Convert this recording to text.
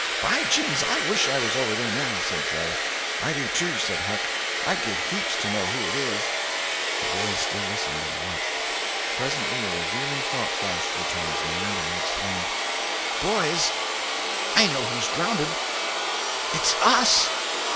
"By jings, I wish I was over there, now," said Joe. "I do too" said Huck "I'd give heaps to know who it is." The boys still listened and watched. Presently a revealing thought flashed through Tom's mind, and he exclaimed: "Boys, I know who's drownded—it's us!"